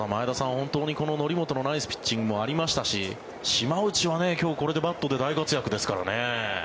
本当にこの則本のナイスピッチングもありましたし島内は今日、これでバットで大活躍ですからね。